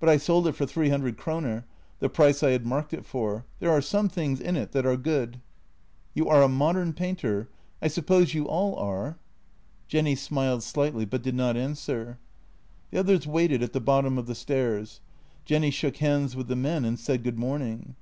But I sold it for three hundred kroner — the price I had marked it for. There are some things in it that are good." " You are a modem painter — I suppose you all are? " Jenny smiled slightly, but did not answer. The others waited at the bottom of the stairs. Jenny shook hands with the men and said good morning.